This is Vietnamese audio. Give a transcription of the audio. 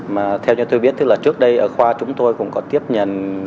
mà theo như tôi biết trước đây ở khoa chúng tôi cũng có tiếp nhận